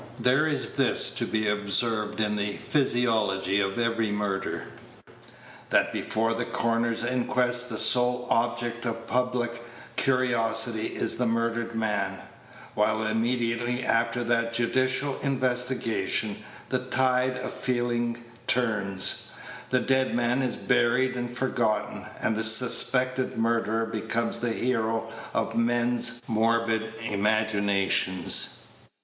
There is this to be observed in the physiology of every murder that before the coroner's inquest the sole object of public curiosity is the murdered man; while immediately after that judicial investigation the tide of feeling turns, the dead man is buried and forgotten, and the suspected murderer becomes the hero of men's morbid imaginations.